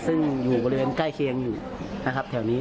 ซึ่งอยู่บริเวณใกล้เคียงอยู่นะครับแถวนี้